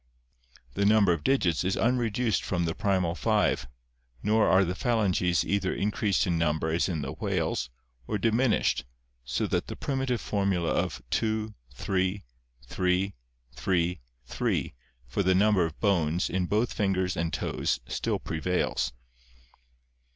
The number of digits is unreduced from the primal five, nor are the phalanges either increased in number as in the whales or dimin ished so that the primitive formula of 2, 3, 3, 3, 3 for the number of bones in both fingers and toes still prevails.